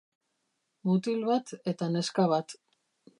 Mutil bat eta neska bat.